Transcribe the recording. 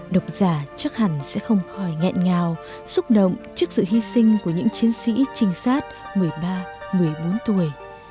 độc giả chắc hẳn sẽ không khỏi nghẹn ngào xúc động trước sự hy sinh của những chiến sĩ trinh sát một mươi ba một mươi bốn tuổi